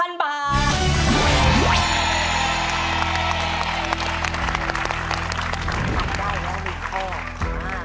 ทำได้แล้ว๑ข้อ